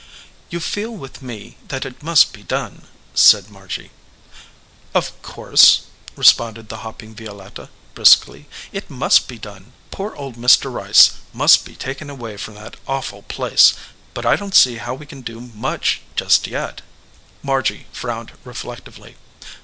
"You feel with me that it must be done," said Margy. "Of course," responded the hopping Violetta, briskly, "it must be done. Poor old Mr. Rice must 32 THE OLD MAN OF THE FIELD be taken away from that awful place. But I don t see how we can do much just yet." Margy frowned reflectively.